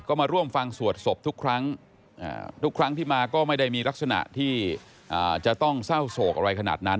ก็มาร่วมฟังสวดศพทุกครั้งทุกครั้งที่มาก็ไม่ได้มีลักษณะที่จะต้องเศร้าโศกอะไรขนาดนั้น